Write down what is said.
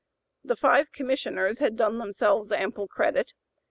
The five Commissioners had done themselves ample credit.